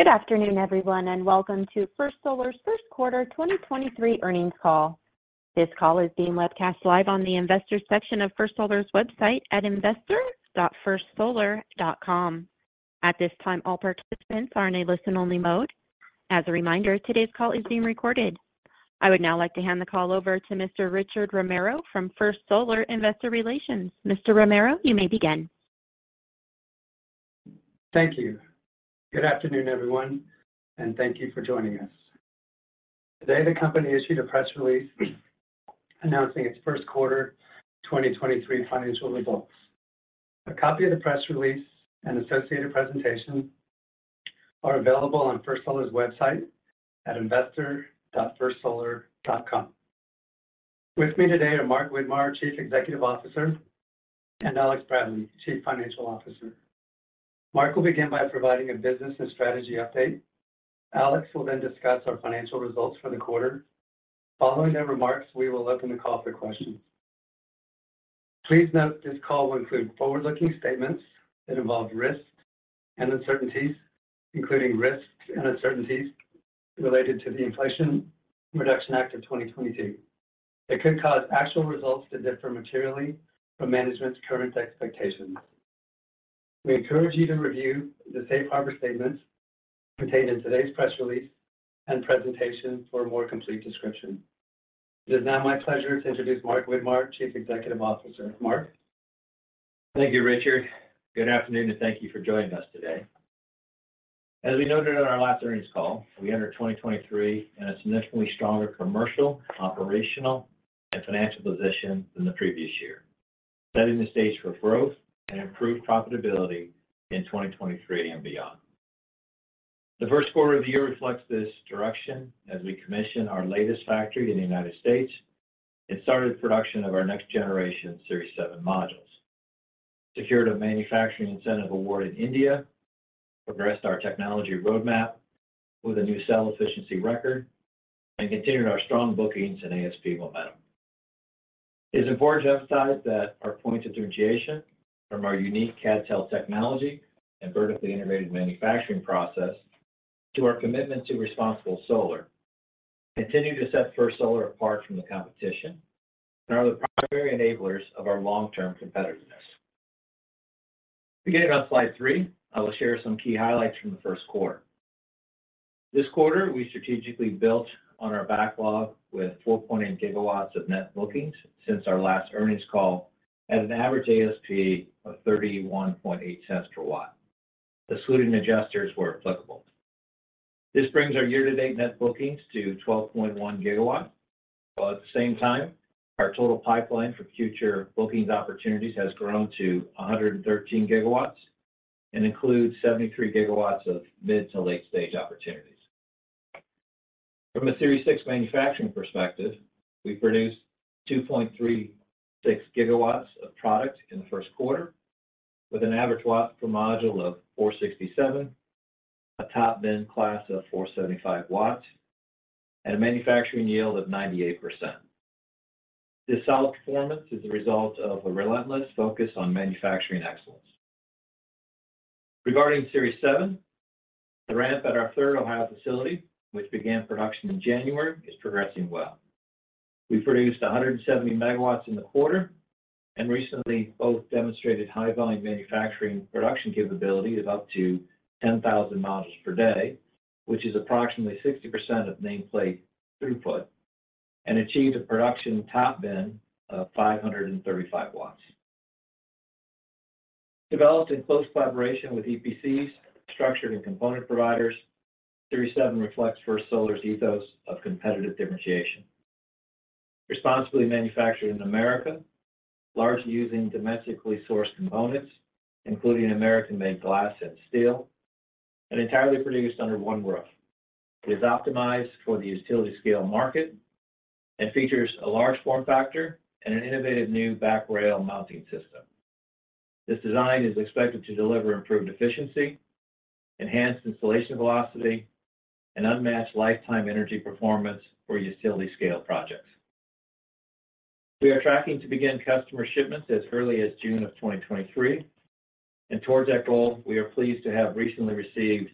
Good afternoon, everyone, and welcome to First Solar's first quarter 2023 earnings call. This call is being webcast live on the Investors section of First Solar's website at investor.firstsolar.com. At this time, all participants are in a listen-only mode. As a reminder, today's call is being recorded. I would now like to hand the call over to Mr. Richard Romero from First Solar Investor Relations. Mr. Romero, you may begin. Thank you. Good afternoon, everyone, and thank you for joining us. Today, the company issued a press release announcing its first quarter 2023 financial results. A copy of the press release and associated presentation are available on First Solar's website at investor.firstsolar.com. With me today are Mark Widmar, Chief Executive Officer, and Alex Bradley, Chief Financial Officer. Mark will begin by providing a business and strategy update. Alex will then discuss our financial results for the quarter. Following their remarks, we will open the call for questions. Please note this call will include forward-looking statements that involve risks and uncertainties, including risks and uncertainties related to the Inflation Reduction Act of 2022. It could cause actual results to differ materially from management's current expectations. We encourage you to review the safe harbor statements contained in today's press release and presentation for a more complete description. It is now my pleasure to introduce Mark Widmar, Chief Executive Officer. Mark? Thank you, Richard. Good afternoon, and thank you for joining us today. As we noted on our last earnings call, we entered 2023 in a significantly stronger commercial, operational, and financial position than the previous year, setting the stage for growth and improved profitability in 2023 and beyond. The first quarter of the year reflects this direction as we commission our latest factory in the United States and started production of our next generation Series 7 modules, secured a manufacturing incentive award in India, progressed our technology roadmap with a new cell efficiency record, and continued our strong bookings and ASP momentum. It's important to emphasize that our point of differentiation from our unique CadTel technology and vertically integrated manufacturing process to our commitment to responsible solar continue to set First Solar apart from the competition and are the primary enablers of our long-term competitiveness. Beginning on slide three, I will share some key highlights from the first quarter. This quarter, we strategically built on our backlog with 4.8 GW of net bookings since our last earnings call at an average ASP of $0.318 per watt. Excluding adjusters where applicable. This brings our year-to-date net bookings to 12.1 GW, while at the same time, our total pipeline for future bookings opportunities has grown to 113 GW and includes 73 GW of mid to late-stage opportunities. From a Series 6 manufacturing perspective, we produced 2.36 GW of product in the first quarter with an average watt per module of 467 W, a top bin class of 475 W, and a manufacturing yield of 98%. This solid performance is the result of a relentless focus on manufacturing excellence. Regarding Series 7, the ramp at our third Ohio facility, which began production in January, is progressing well. We produced 170 MW in the quarter and recently both demonstrated high-volume manufacturing production capability of up to 10,000 modules per day, which is approximately 60% of nameplate throughput and achieved a production top bin of 535 W. Developed in close collaboration with EPCs, structured and component providers, Series 7 reflects First Solar's ethos of competitive differentiation. Responsibly manufactured in America, largely using domestically sourced components, including American-made glass and steel, and entirely produced under one roof. It is optimized for the utility scale market and features a large form factor and an innovative new back rail mounting system. This design is expected to deliver improved efficiency, enhanced installation velocity, and unmatched lifetime energy performance for utility scale projects. We are tracking to begin customer shipments as early as June of 2023, and towards that goal, we are pleased to have recently received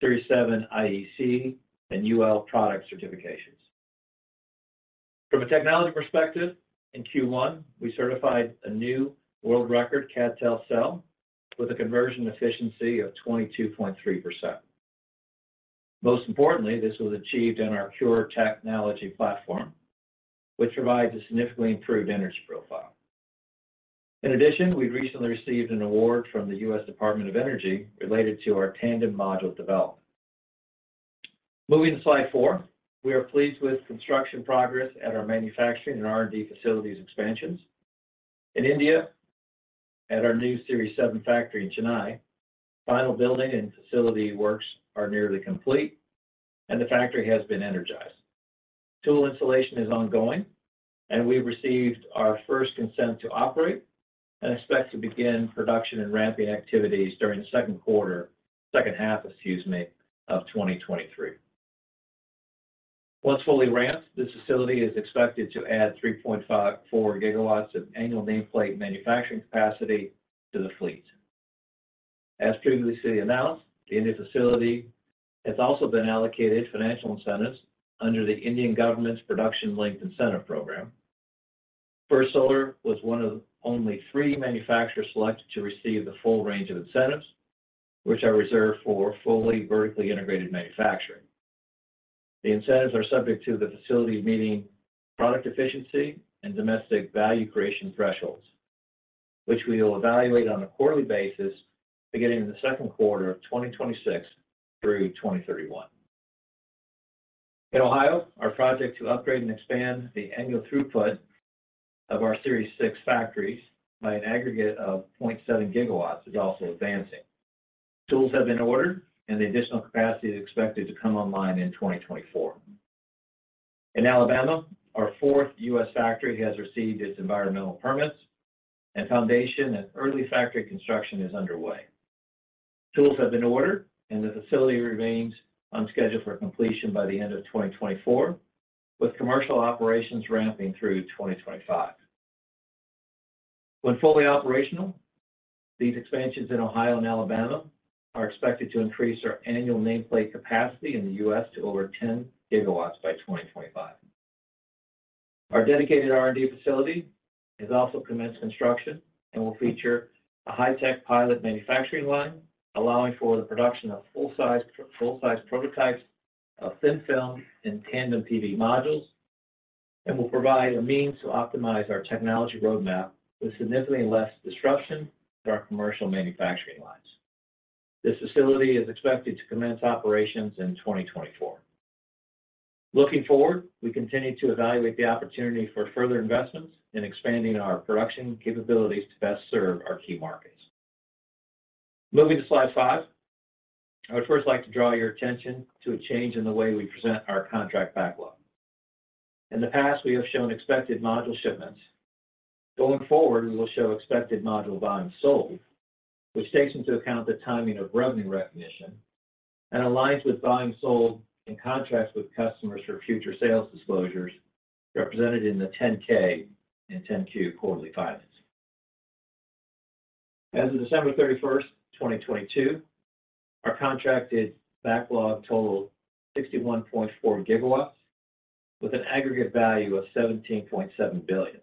Series 7 IEC and UL product certifications. From a technology perspective, in Q1, we certified a new world record CadTel cell with a conversion efficiency of 22.3%. Most importantly, this was achieved in our Pure Technology platform, which provides a significantly improved energy profile. In addition, we recently received an award from the U.S. Department of Energy related to our tandem module development. Moving to slide four, we are pleased with construction progress at our manufacturing and R&D facilities expansions. In India, at our new Series 7 factory in Chennai, final building and facility works are nearly complete, and the factory has been energized. Tool installation is ongoing, we received our first consent to operate and expect to begin production and ramping activities during the second half, excuse me, of 2023. Once fully ramped, this facility is expected to add 3.54 GW of annual nameplate manufacturing capacity to the fleet. As previously announced, the India facility has also been allocated financial incentives under the Indian Government's Production Linked Incentive program. First Solar was one of only three manufacturers selected to receive the full range of incentives, which are reserved for fully vertically integrated manufacturing. The incentives are subject to the facilities meeting product efficiency and domestic value creation thresholds, which we will evaluate on a quarterly basis beginning in the second quarter of 2026 through 2031. In Ohio, our project to upgrade and expand the annual throughput of our Series 6 factories by an aggregate of 0.7 GW is also advancing. Tools have been ordered, and the additional capacity is expected to come online in 2024. In Alabama, our fourth U.S. factory has received its environmental permits, and foundation and early factory construction is underway. Tools have been ordered, and the facility remains on schedule for completion by the end of 2024, with commercial operations ramping through 2025. When fully operational, these expansions in Ohio and Alabama are expected to increase our annual nameplate capacity in the U.S. to over 10 GW by 2025. Our dedicated R&D facility has also commenced construction and will feature a high-tech pilot manufacturing line, allowing for the production of full-sized prototypes of thin-film and tandem PV modules, and will provide a means to optimize our technology roadmap with significantly less disruption to our commercial manufacturing lines. This facility is expected to commence operations in 2024. Looking forward, we continue to evaluate the opportunity for further investments in expanding our production capabilities to best serve our key markets. Moving to slide five, I would first like to draw your attention to a change in the way we present our contract backlog. In the past, we have shown expected module shipments. Going forward, we will show expected module volume sold, which takes into account the timing of revenue recognition and aligns with volume sold in contracts with customers for future sales disclosures represented in the 10-K and 10-Q quarterly filings. As of December 31st, 2022, our contracted backlog totaled 61.4 GW with an aggregate value of $17.7 billion.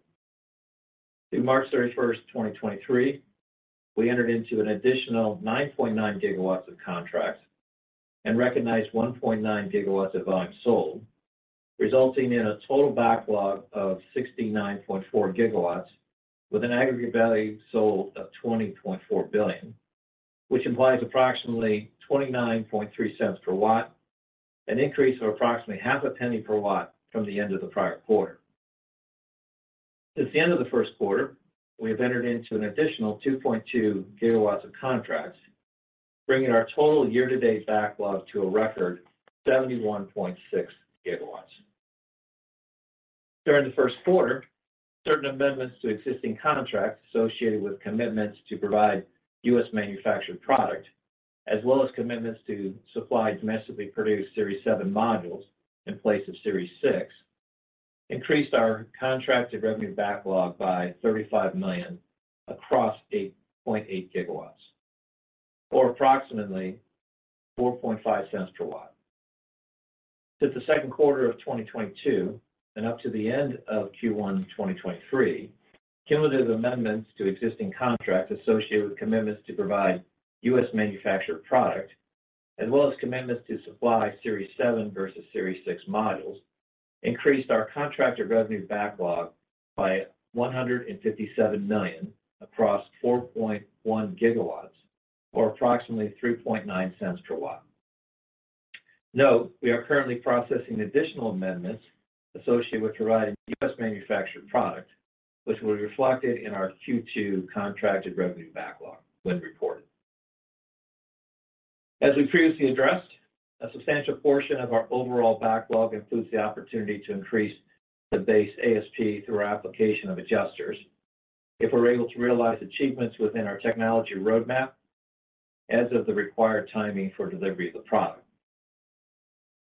Through March 31st, 2023, we entered into an additional 9.9 GW of contracts and recognized 1.9 GW of volume sold, resulting in a total backlog of 69.4 GW with an aggregate value sold of $20.4 billion, which implies approximately $0.293 per watt, an increase of approximately $0.005 per watt from the end of the prior quarter. Since the end of the first quarter, we have entered into an additional 2.2 GW of contracts, bringing our total year-to-date backlog to a record 71.6 GW. During the first quarter, certain amendments to existing contracts associated with commitments to provide U.S.-manufactured product, as well as commitments to supply domestically produced Series 7 modules in place of Series 6, increased our contracted revenue backlog by $35 million across 8.8 GW, or approximately $0.045 per watt. Since the second quarter of 2022 and up to the end of Q1 2023, cumulative amendments to existing contracts associated with commitments to provide U.S.-manufactured product, as well as commitments to supply Series 7 versus Series 6 modules, increased our contracted revenue backlog by $157 million across 4.1 GW, or approximately $0.039 per watt. Note, we are currently processing additional amendments associated with providing U.S.-manufactured product, which will be reflected in our Q2 contracted revenue backlog when reported. As we previously addressed, a substantial portion of our overall backlog includes the opportunity to increase the base ASP through our application of adjusters if we're able to realize achievements within our technology roadmap as of the required timing for delivery of the product.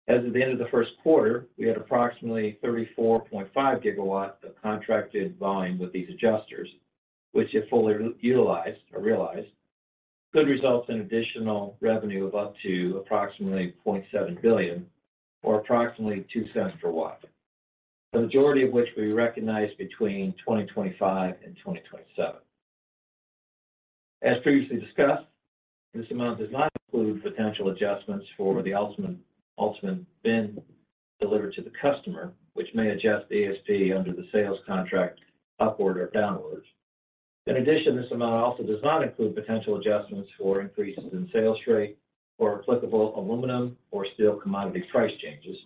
As of the end of the first quarter, we had approximately 34.5 GW of contracted volume with these adjusters, which if fully utilized or realized, could result in additional revenue of up to approximately $0.7 billion or approximately $0.02 per watt, the majority of which will be recognized between 2025 and 2027. As previously discussed, this amount does not include potential adjustments for the ultimate BIN delivered to the customer, which may adjust ASP under the sales contract upward or downwards. This amount also does not include potential adjustments for increases in sales rate or applicable aluminum or steel commodity price changes.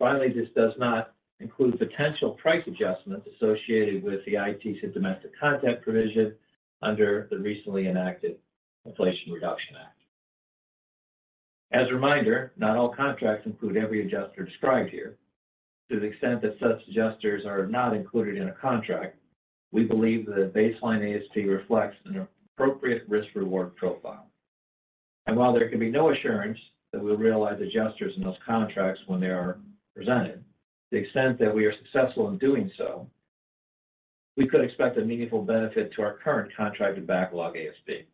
This does not include potential price adjustments associated with the ITC domestic content provision under the recently enacted Inflation Reduction Act. As a reminder, not all contracts include every adjuster described here. To the extent that such adjusters are not included in a contract, we believe that baseline ASP reflects an appropriate risk-reward profile. While there can be no assurance that we'll realize adjusters in those contracts when they are presented, the extent that we are successful in doing so, we could expect a meaningful benefit to our current contracted backlog ASP.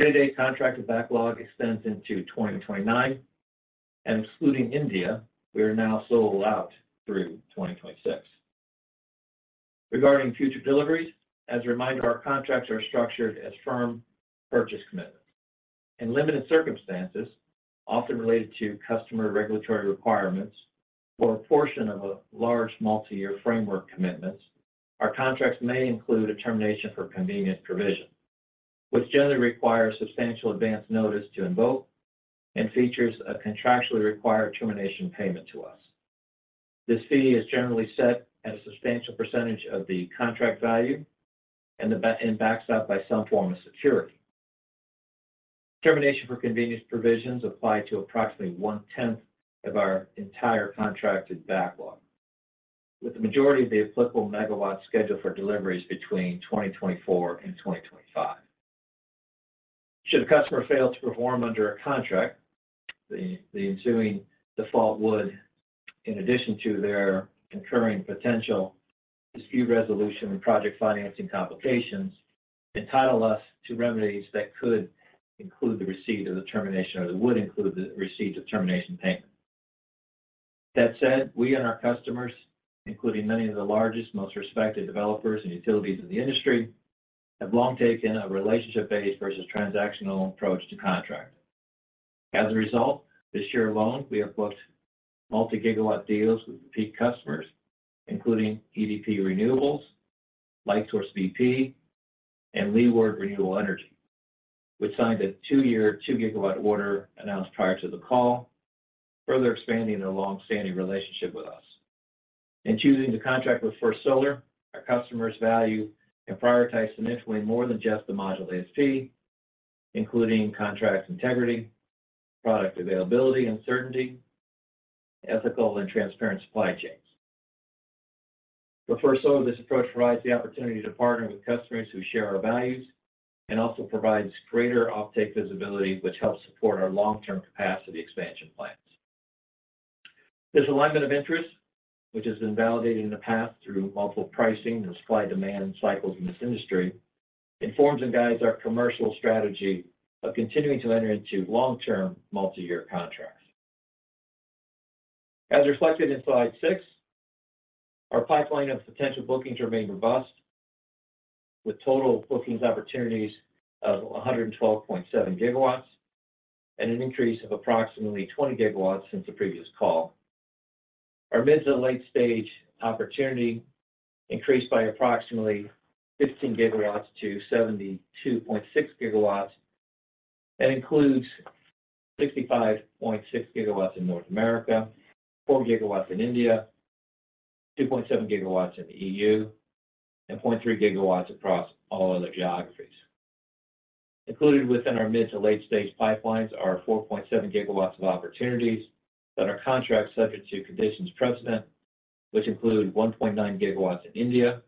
Our day contracted backlog extends into 2029. Excluding India, we are now sold out through 2026. Regarding future deliveries, as a reminder, our contracts are structured as firm purchase commitments. In limited circumstances, often related to customer regulatory requirements for a portion of a large multi-year framework commitments, our contracts may include a termination for convenience provision, which generally requires substantial advance notice to invoke and features a contractually required termination payment to us. This fee is generally set at a substantial percentage of the contract value and backed up by some form of security. Termination for convenience provisions apply to approximately 1/10 of our entire contracted backlog, with the majority of the applicable megawatts scheduled for deliveries between 2024 and 2025. Should a customer fail to perform under a contract, the ensuing default would, in addition to their incurring potential dispute resolution and project financing complications, entitle us to remedies that could include the receipt of the termination or would include the receipt of termination payment. We and our customers, including many of the largest, most respected developers and utilities in the industry, have long taken a relationship-based versus transactional approach to contract. This year alone, we have booked multi-gigawatt deals with peak customers, including EDP Lightsource bp, and Leeward Renewable Energy, which signed a two-year, 2 GW order announced prior to the call, further expanding their long-standing relationship with us. In choosing to contract with First Solar, our customers value and prioritize significantly more than just the module ASP, including contract integrity, product availability and certainty, ethical and transparent supply chains. For First Solar, this approach provides the opportunity to partner with customers who share our values and also provides greater offtake visibility, which helps support our long-term capacity expansion plans. This alignment of interest, which has been validated in the past through multiple pricing and supply-demand cycles in this industry, informs and guides our commercial strategy of continuing to enter into long-term, multi-year contracts. As reflected in slide six, our pipeline of potential bookings remain robust, with total bookings opportunities of 112.7 GW and an increase of approximately 20 GW since the previous call. Our mid to late-stage opportunity increased by approximately 15 GW - 72.6 GW, and includes 65.6 GW in North America, 4 GW in India, 2.7 GW in the EU, and 0.3 GW across all other geographies. Included within our mid to late-stage pipelines are 4.7 GW of opportunities that are contracts subject to conditions precedent, which include 1.9 GW in India.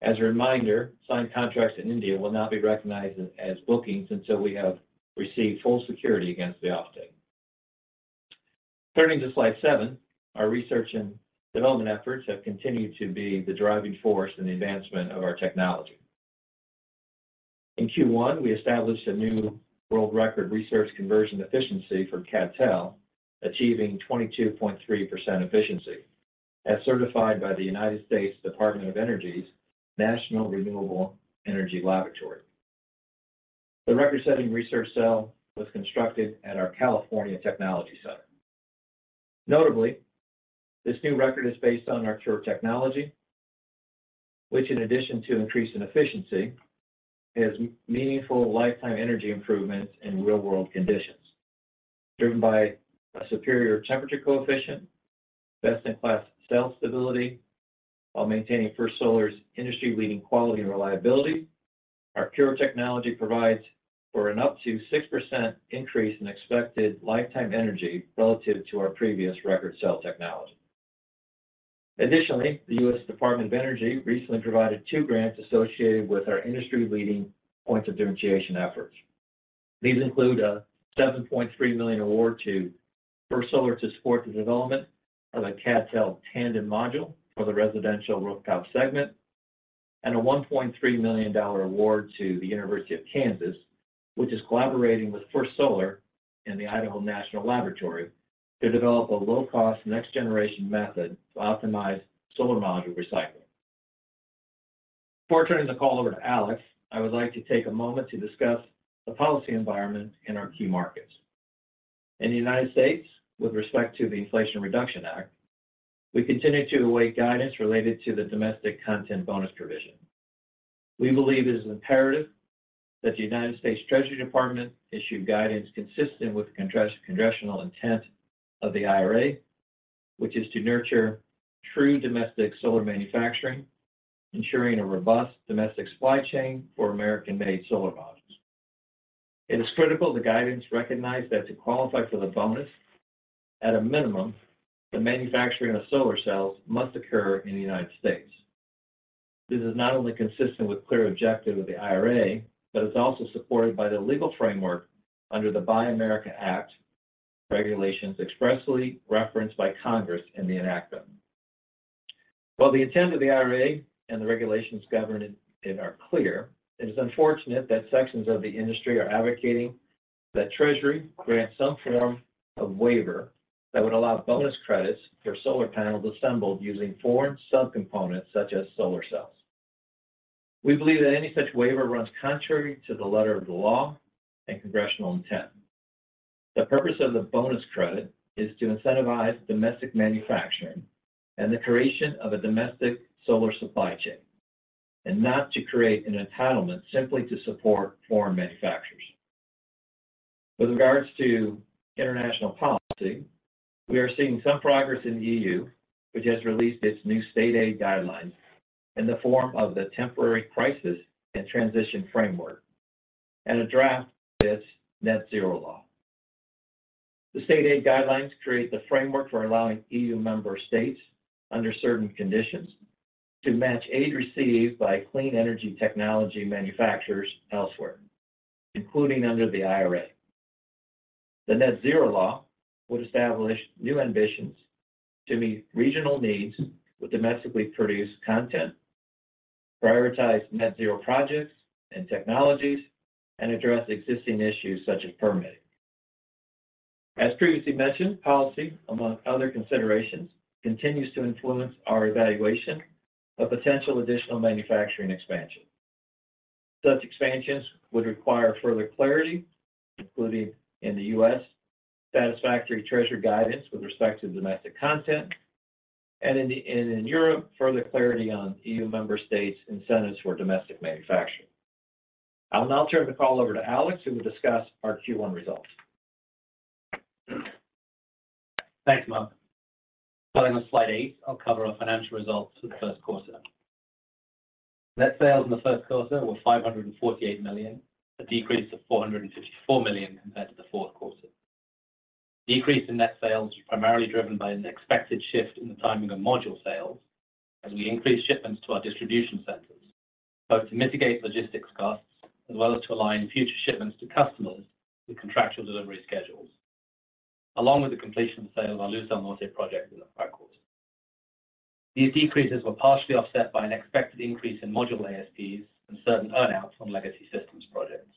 As a reminder, signed contracts in India will not be recognized as bookings until we have received full security against the offtake. Turning to slide seven, our research and development efforts have continued to be the driving force in the advancement of our technology. In Q1, we established a new world record research conversion efficiency for CadTel, achieving 22.3% efficiency as certified by the U.S. Department of Energy's National Renewable Energy Laboratory. The record-setting research cell was constructed at our California Technology Center. Notably, this new record is based on our Pure Technology, which, in addition to increase in efficiency, has meaningful lifetime energy improvements in real-world conditions. Driven by a superior temperature coefficient, best-in-class cell stability, while maintaining First Solar's industry-leading quality and reliability, our Pure Technology provides for an up to 6% increase in expected lifetime energy relative to our previous record cell technology. The U.S. Department of Energy recently provided two grants associated with our industry-leading points of differentiation efforts. These include a $7.3 million award to First Solar to support the development of a CadTel tandem module for the residential rooftop segment, and a $1.3 million award to the University of Kansas, which is collaborating with First Solar and the Idaho National Laboratory to develop a low-cost next generation method to optimize solar module recycling. Before turning the call over to Alex, I would like to take a moment to discuss the policy environment in our key markets. In the United States, with respect to the Inflation Reduction Act, we continue to await guidance related to the domestic content bonus provision. We believe it is imperative that the United States Treasury Department issue guidance consistent with congressional intent of the IRA, which is to nurture true domestic solar manufacturing, ensuring a robust domestic supply chain for American-made solar modules. It is critical the guidance recognize that to qualify for the bonus, at a minimum, the manufacturing of solar cells must occur in the United States. This is not only consistent with clear objective of the IRA, but it's also supported by the legal framework under the Buy American Act regulations, expressly referenced by Congress in the enactment. While the intent of the IRA and the regulations governing it are clear, it is unfortunate that sections of the industry are advocating that Treasury grant some form of waiver that would allow bonus credits for solar panels assembled using foreign subcomponents such as solar cells. We believe that any such waiver runs contrary to the letter of the law and congressional intent. The purpose of the bonus credit is to incentivize domestic manufacturing and the creation of a domestic solar supply chain, and not to create an entitlement simply to support foreign manufacturers. With regards to international policy, we are seeing some progress in the EU, which has released its new state aid guidelines in the form of the Temporary Crisis and Transition Framework and a draft of its Net-Zero Industry Act. The state aid guidelines create the framework for allowing EU member states, under certain conditions, to match aid received by clean energy technology manufacturers elsewhere, including under the IRA. The Net-Zero Industry Act would establish new ambitions to meet regional needs with domestically produced content, prioritize net zero projects and technologies, and address existing issues such as permitting. As previously mentioned, policy, among other considerations, continues to influence our evaluation of potential additional manufacturing expansion. Such expansions would require further clarity, including in the U.S., satisfactory Treasury guidance with respect to domestic content, and in Europe, further clarity on EU member states' incentives for domestic manufacturing. I will now turn the call over to Alex, who will discuss our Q1 results. Thanks, Mike. Starting with slide eight, I'll cover our financial results for the first quarter. Net sales in the first quarter were $548 million, a decrease of $454 million compared to the fourth quarter. Decrease in net sales was primarily driven by an expected shift in the timing of module sales as we increased shipments to our distribution centers, both to mitigate logistics costs as well as to align future shipments to customers with contractual delivery schedules, along with the completion of sale of our Lusail North A project in the prior quarter. These decreases were partially offset by an expected increase in module ASPs and certain earn-outs on legacy systems projects.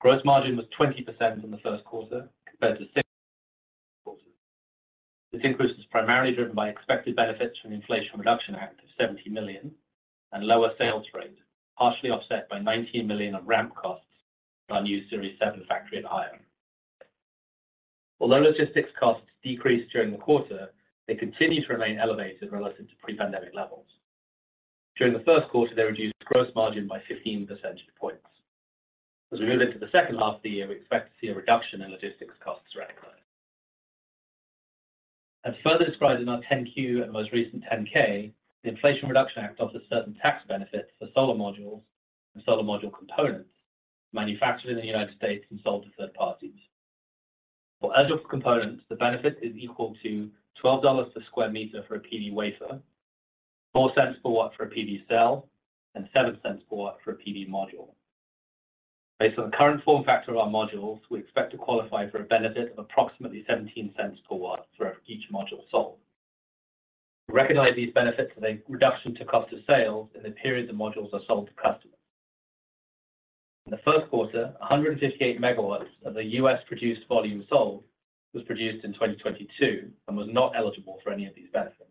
Gross margin was 20% in the first quarter compared to six quarter. This increase was primarily driven by expected benefits from the Inflation Reduction Act of $70 million and lower sales rates, partially offset by $19 million of ramp costs on our new Series 7 factory in Ohio. Although logistics costs decreased during the quarter, they continue to remain elevated relative to pre-pandemic levels. During the first quarter, they reduced gross margin by 15 percentage points. As we move into the second half of the year, we expect to see a reduction in logistics costs recognized. As further described in our 10-Q and most recent 10-K, the Inflation Reduction Act offers certain tax benefits for solar modules and solar module components manufactured in the United States and sold to third parties. For eligible components, the benefit is equal to $12 per square meter for a PV wafer, $0.04 per watt for a PV cell, and $0.07 per watt for a PV module. Based on the current form factor of our modules, we expect to qualify for a benefit of approximately $0.17 per watt for each module sold. We recognize these benefits as a reduction to cost of sales in the periods the modules are sold to customers. In the first quarter, 158 MW of the U.S.-produced volume sold was produced in 2022 and was not eligible for any of these benefits.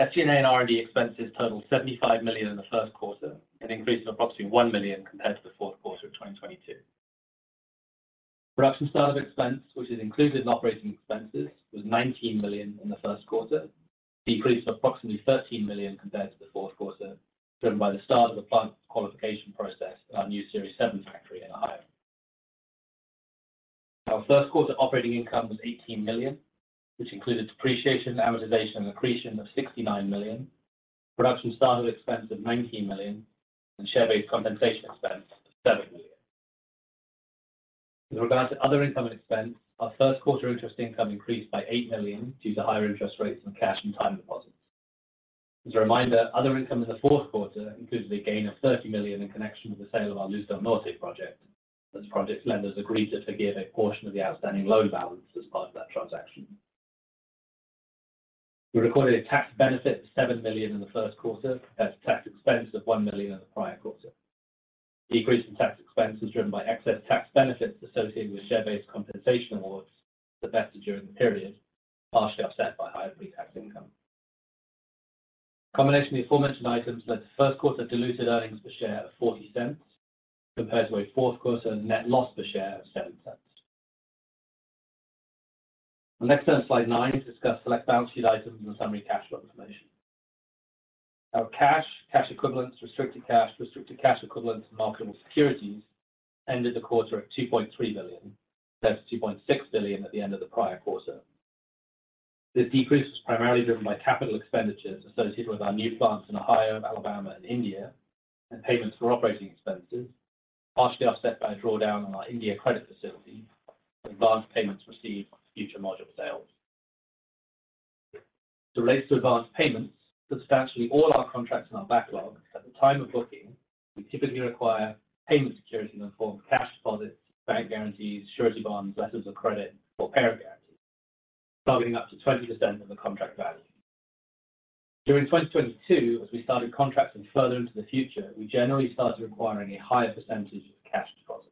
SG&A and R&D expenses totaled $75 million in the first quarter, an increase of approximately $1 million compared to the fourth quarter of 2022. Production start-up expense, which is included in operating expenses, was $19 million in the first quarter, decreased approximately $13 million compared to the fourth quarter, driven by the start of the plant qualification process at our new Series 7 factory in Ohio. Our first quarter operating income was $18 million, which included depreciation, amortization, and accretion of $69 million, production start-up expense of $19 million, and share-based compensation expense of $7 million. With regards to other income and expense, our first quarter interest income increased by $8 million due to higher interest rates on cash and time deposits. As a reminder, other income in the fourth quarter included a gain of $30 million in connection with the sale of our Lusail North A project, as the project's lenders agreed to forgive a portion of the outstanding loan balance as part of that transaction. We recorded a tax benefit of $7 million in the first quarter as tax expense of $1 million in the prior quarter. Decrease in tax expense was driven by excess tax benefits associated with share-based compensation awards invested during the period, partially offset by higher pre-tax income. A combination of the aforementioned items meant the first quarter diluted earnings per share of $0.40 compared to a fourth quarter net loss per share of $0.07. I'll next turn to slide nine to discuss select balance sheet items and the summary cash flow information. Our cash equivalents, restricted cash, restricted cash equivalents, and marketable securities ended the quarter at $2.3 billion, compared to $2.6 billion at the end of the prior quarter. This decrease was primarily driven by capital expenditures associated with our new plants in Ohio, Alabama, and India, and payments for operating expenses, partially offset by a drawdown on our India credit facility. Advanced payments received on future module sales. To raise the advanced payments, substantially all our contracts in our backlog at the time of booking, we typically require payment security in the form of cash deposits, bank guarantees, surety bonds, letters of credit, or parent guarantees totaling up to 20% of the contract value. During 2022, as we started contracting further into the future, we generally started requiring a higher percentage of cash deposit.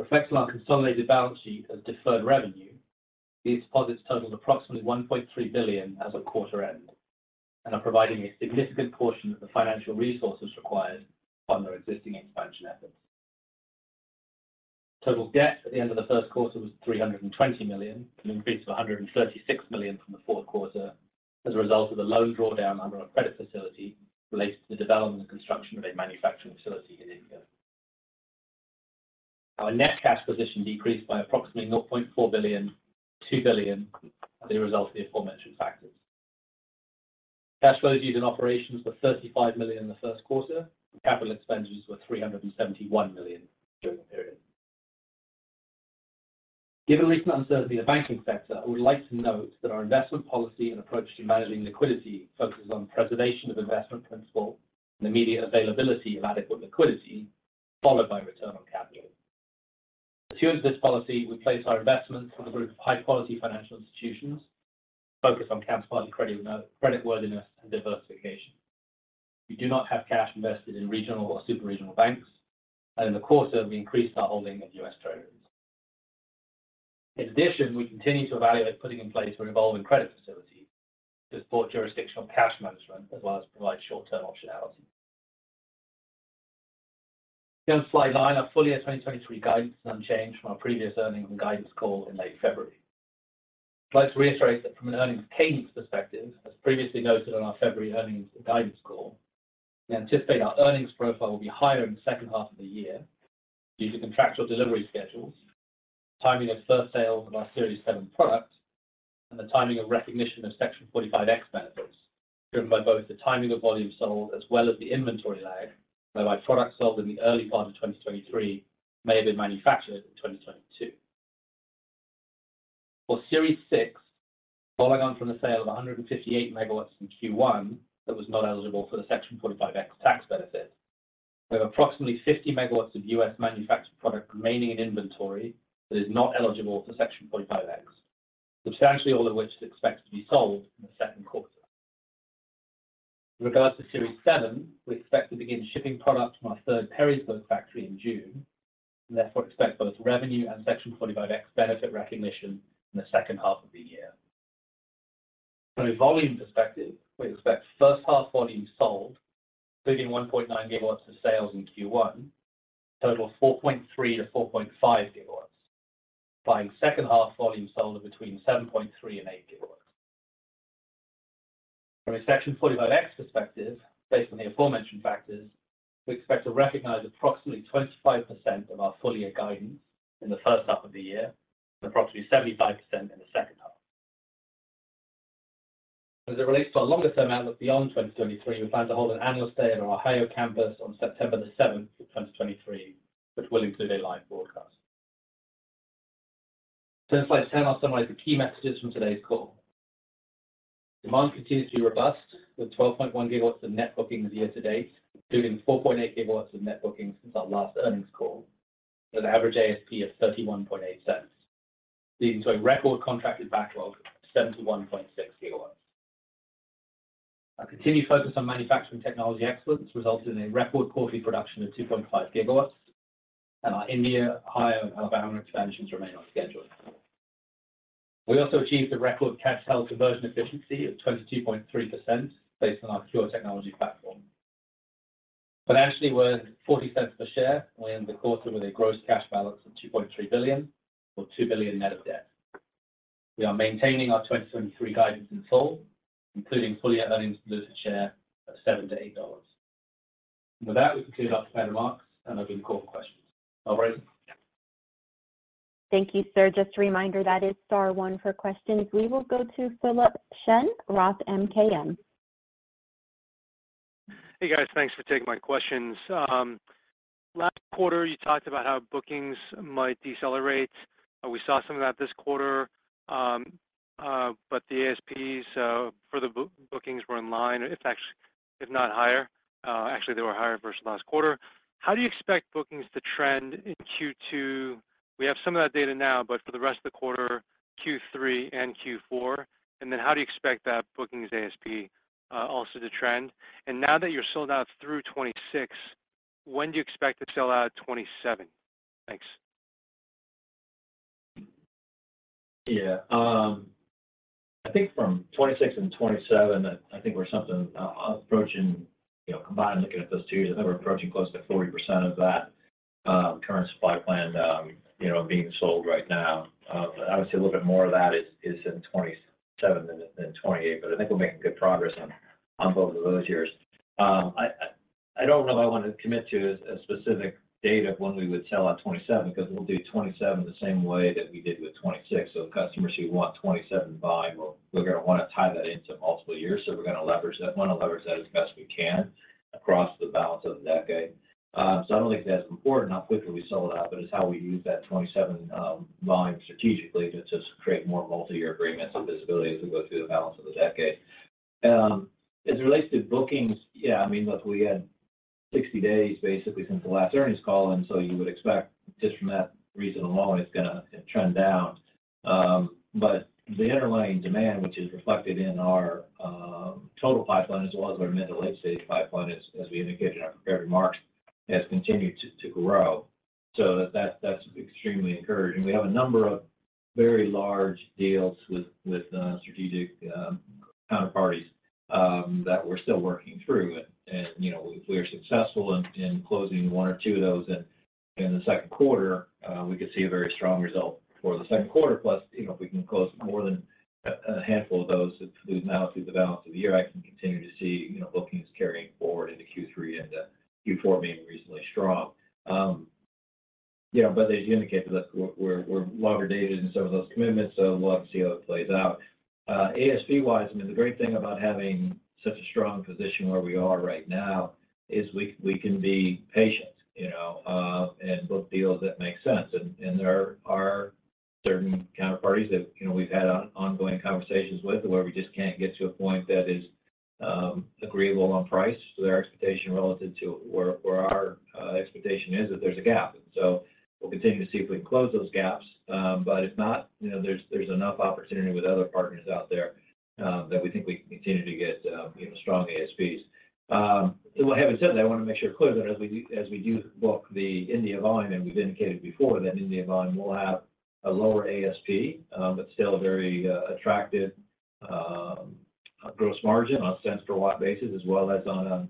Reflecting on our consolidated balance sheet as deferred revenue, these deposits totaled approximately $1.3 billion as of quarter end and are providing a significant portion of the financial resources required to fund our existing expansion efforts. Total debt at the end of the first quarter was $320 million, an increase of $136 million from the fourth quarter as a result of a loan drawdown under our credit facility related to the development and construction of a manufacturing facility in India. Our net cash position decreased by approximately $0.4 billion, $2 billion as a result of the aforementioned factors. Cash flows used in operations were $35 million in the first quarter. Capital expenditures were $371 million during the period. Given the recent uncertainty in the banking sector, I would like to note that our investment policy and approach to managing liquidity focuses on preservation of investment principle and immediate availability of adequate liquidity, followed by return on capital. As soon as this policy, we place our investments with a group of high-quality financial institutions focused on counterparty credit worthiness and diversification. We do not have cash invested in regional or super-regional banks, and in the quarter, we increased our holding of U.S. Treasuries. In addition, we continue to evaluate putting in place a revolving credit facility to support jurisdictional cash management as well as provide short-term optionality. Here on slide nine, our full-year 2023 guidance is unchanged from our previous earnings and guidance call in late February. I'd like to reiterate that from an earnings cadence perspective, as previously noted on our February earnings and guidance call, we anticipate our earnings profile will be higher in the second half of the year due to contractual delivery schedules, timing of first sales of our Series 7 product, and the timing of recognition of Section 45X benefits, driven by both the timing of volume sold as well as the inventory lag where our product sold in the early part of 2023 may have been manufactured in 2022. For Series 6, following on from the sale of 158 megawatts in Q1 that was not eligible for the Section 45X tax benefit, we have approximately 50 MW of U.S. manufactured product remaining in inventory that is not eligible for Section 45X, substantially all of which is expected to be sold in the second quarter. With regards to Series 7, we expect to begin shipping product from our third Perrysburg factory in June and therefore expect both revenue and Section 45X benefit recognition in the second half of the year. From a volume perspective, we expect first half volume sold, including 1.9 GW of sales in Q1, a total of 4.3 GW-4.5 GW, implying second half volume sold of between 7.3 GW and 8 GW. From a Section 45X perspective, based on the aforementioned factors, we expect to recognize approximately 25% of our full-year guidance in the first half of the year and approximately 75% in the second half. As it relates to our longer-term outlook beyond 2023, we plan to hold an annual stay at our Ohio campus on September 7, 2023, which will include a live broadcast. Turn to slide 10, I'll summarize the key messages from today's call. Demand continues to be robust, with 12.1 GW of net bookings year to date, including 4.8 GW of net bookings since our last earnings call with an average ASP of $0.318, leading to a record contracted backlog of 71.6 GW. Our continued focus on manufacturing technology excellence resulted in a record quarterly production of 2.5 GW, and our India, Ohio, and Alabama expansions remain on schedule. We also achieved a record cash health conversion efficiency of 22.3% based on our Pure Technology platform. Financially, we earned $0.40 per share and we ended the quarter with a gross cash balance of $2.3 billion or $2 billion net of debt. We are maintaining our 2023 guidance in full, including full-year earnings per diluted share of $7-$8. With that, we conclude our prepared remarks and open the call for questions. Operator? Thank you, sir. Just a reminder, that is star one for questions. We will go to Philip Shen, ROTH MKM. Hey, guys. Thanks for taking my questions. Last quarter, you talked about how bookings might decelerate. We saw some of that this quarter, but the ASPs for the bookings were in line if not higher. Actually, they were higher versus last quarter. How do you expect bookings to trend in Q2? We have some of that data now, but for the rest of the quarter, Q3 and Q4, and then how do you expect that book ASP also to trend? Now that you're sold out through 2026, when do you expect to sell out 2027? Thanks. I think from 2026 and 2027, I think we're something approaching, you know, combined looking at those two years, I think we're approaching close to 40% of that current supply plan, you know, being sold right now. I would say a little bit more of that is in 2027 than 2028. I think we're making good progress on both of those years. I don't know if I want to commit to a specific date of when we would sell out 2027 because we'll do 2027 the same way that we did with 2026. Customers who want 2027 volume, we're going to want to tie that into multiple years, want to leverage that as best we can. Across the balance of the decade. I don't think that's important how quickly we sell it out, but it's how we use that 27 volume strategically to just create more multi-year agreements and visibility as we go through the balance of the decade. As it relates to bookings, yeah, I mean, look, we had 60 days basically since the last earnings call, you would expect just from that reasonable law, it's gonna trend down. The underlying demand, which is reflected in our total pipeline as well as our mid- to late-stage pipeline as we indicated in our prepared remarks, has continued to grow. That's extremely encouraging. We have a number of very large deals with strategic counterparties that we're still working through. You know, if we're successful in closing one or two of those in the second quarter, we could see a very strong result for the second quarter. You know, if we can close more than a handful of those that move now through the balance of the year, I can continue to see, you know, bookings carrying forward into Q3 and Q4 being reasonably strong. You know, as you indicated, we're longer dated in some of those commitments, so we'll have to see how it plays out. ASP-wise, I mean, the great thing about having such a strong position where we are right now is we can be patient, you know, and book deals that make sense. There are certain counterparties that, you know, we've had ongoing conversations with where we just can't get to a point that is agreeable on price. Their expectation relative to where our expectation is that there's a gap. We'll continue to see if we can close those gaps. If not, you know, there's enough opportunity with other partners out there that we think we can continue to get, you know, strong ASPs. Having said that, I want to make sure clear that as we do book the India volume, and we've indicated before that India volume will have a lower ASP, but still a very attractive gross margin on a cents per watt basis as well as on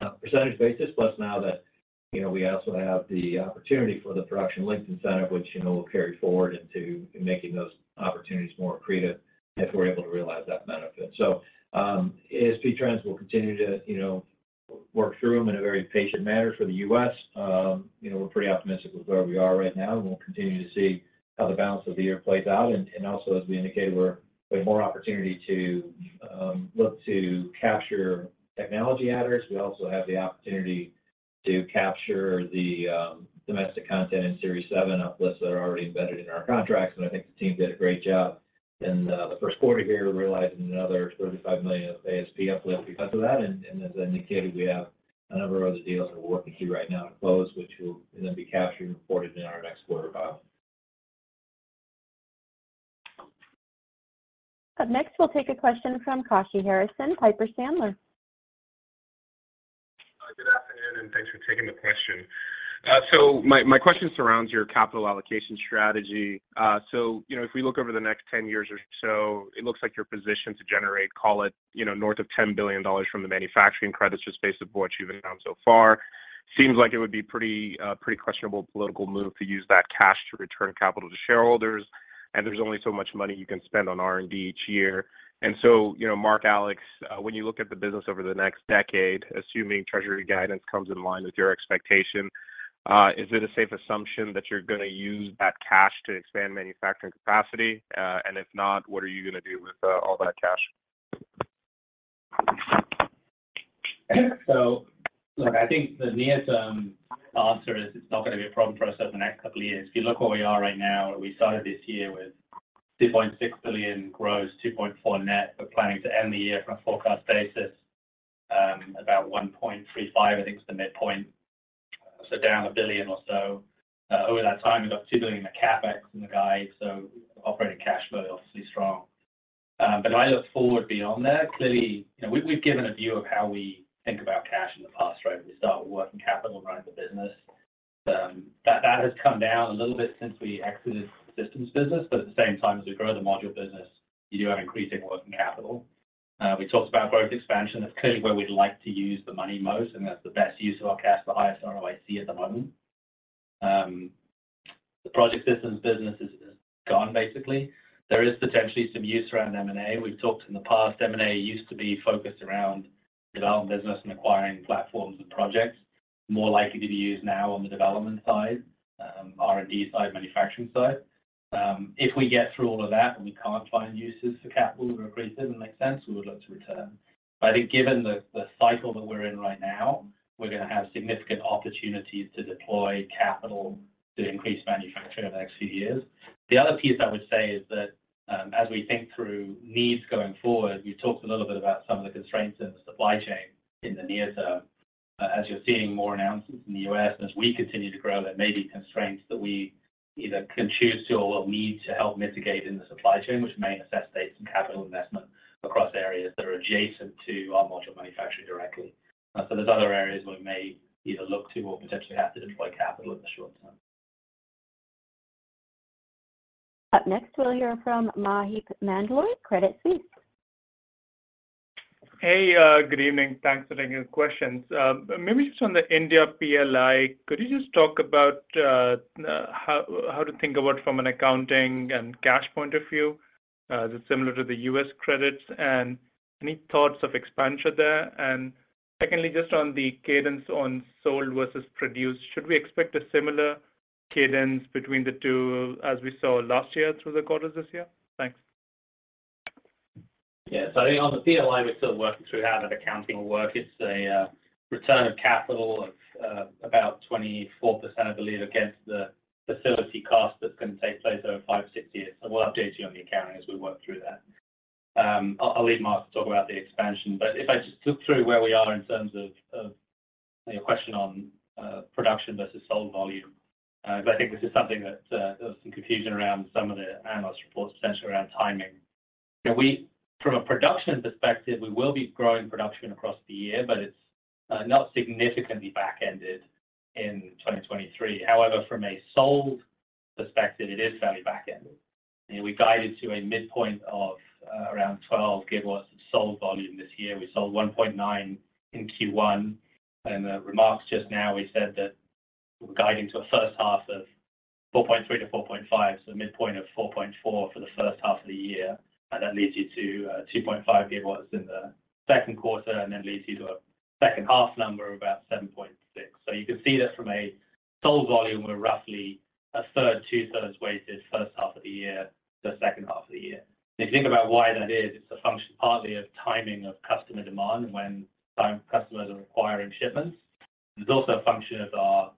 a percentage basis. Plus now that, you know, we also have the opportunity for the Production Linked Incentive, which, you know, will carry forward into making those opportunities more accretive if we're able to realize that benefit. ASP trends, we'll continue to, you know, work through them in a very patient manner for the U.S. You know, we're pretty optimistic with where we are right now, and we'll continue to see how the balance of the year plays out. Also, as we indicated, we have more opportunity to look to capture technology adders. We also have the opportunity to capture the domestic content in Series 7 uplifts that are already embedded in our contracts. I think the team did a great job in the first quarter here, realizing another $35 million of ASP uplift because of that. As indicated, we have a number of other deals that we're working through right now to close, which will then be captured and reported in our next quarter files. Up next, we'll take a question from Kashy Harrison, Piper Sandler. Good afternoon, thanks for taking the question. My question surrounds your capital allocation strategy. You know, if we look over the next 10 years or so, it looks like you're positioned to generate, call it, you know, north of $10 billion from the manufacturing credits just based on what you've announced so far. Seems like it would be pretty questionable political move to use that cash to return capital to shareholders, and there's only so much money you can spend on R&D each year. You know, Mark, Alex, when you look at the business over the next decade, assuming Treasury guidance comes in line with your expectation, is it a safe assumption that you're gonna use that cash to expand manufacturing capacity? If not, what are you gonna do with all that cash? Look, I think the near-term answer is it's not gonna be a problem for us over the next couple of years. If you look where we are right now, we started this year with $2.6 billion gross, $2.4 billion net. We're planning to end the year from a forecast basis, about $1.35 billion, I think is the midpoint. Down $1 billion or so. Over that time, we've got $2 billion in the CapEx in the guide, so operating cash flow obviously strong. I look forward beyond that. Clearly, you know, we've given a view of how we think about cash in the past, right? We start with working capital and running the business. That has come down a little bit since we exited the systems business. At the same time, as we grow the module business, you do have increasing working capital. We talked about growth expansion. That's clearly where we'd like to use the money most, and that's the best use of our cash, the highest ROIC at the moment. The project systems business is gone basically. There is potentially some use around M&A. We've talked in the past, M&A used to be focused around developing business and acquiring platforms and projects. More likely to be used now on the development side, R&D side, manufacturing side. If we get through all of that and we can't find uses for capital that are accretive and makes sense, we would look to return. I think given the cycle that we're in right now, we're gonna have significant opportunities to deploy capital to increase manufacturing over the next few years. The other piece I would say is that, as we think through needs going forward, we talked a little bit about some of the constraints in the supply chain in the near term. As you're seeing more announcements in the U.S., as we continue to grow, there may be constraints that we either can choose to or will need to help mitigate in the supply chain, which may necessitate some capital investment across areas that are adjacent to our module manufacturing directly. There's other areas where we may either look to or potentially have to deploy capital in the short term. Up next, we'll hear from Maheep Mandloi, Credit Suisse. Hey, good evening. Thanks for taking the questions. Maybe just on the India PLI, could you just talk about how to think about from an accounting and cash point of view that's similar to the U.S. credits, and any thoughts of expansion there? Secondly, just on the cadence on sold versus produced, should we expect a similar cadence between the two as we saw last year through the quarters this year? Thanks. Yeah. I think on the PLI, we're still working through how that accounting will work. It's a return of capital of about 24%, I believe, against the facility cost that's going to take place over five, six years. We'll update you on the accounting as we work through that. I'll leave Mark to talk about the expansion. If I just look through where we are in terms of your question on production versus sold volume, 'cause I think this is something that there was some confusion around some of the analyst reports, especially around timing. You know, from a production perspective, we will be growing production across the year, but it's not significantly back-ended in 2023. However, from a sold perspective, it is fairly back-ended. You know, we guided to a midpoint of around 12 GW of sold volume this year. We sold 1.9 GW in Q1. In the remarks just now we said that we're guiding to a first half of 4.3 GW-4.5 GW, so a midpoint of 4.4 GW for the first half of the year. That leads you to 2.5 GW in the second quarter, then leads you to a second half number of about 7.6 GW. You can see that from a sold volume, we're roughly 1/3, 2/3 weighted first half of the year to second half of the year. If you think about why that is, it's a function partly of timing of customer demand when time customers are requiring shipments. It's also a function of our